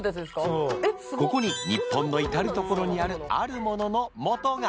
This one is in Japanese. ここに日本の至る所にあるあるもののモトが。